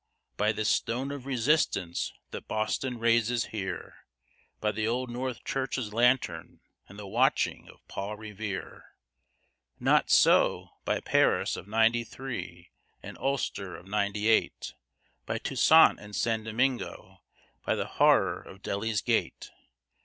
by this Stone of Resistance that Boston raises here! By the old North Church's lantern, and the watching of Paul Revere! Not so! by Paris of 'Ninety Three, and Ulster of 'Ninety Eight! By Toussaint in St. Domingo! by the horror of Delhi's gate!